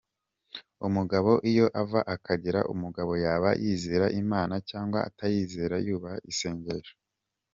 Umugabo iyo ava akagera, umugabo yaba yizera Imana cyangwa atayizera yubaha isengesho.